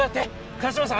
萱島さん